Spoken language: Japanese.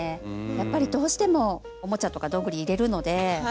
やっぱりどうしてもおもちゃとかどんぐり入れるので。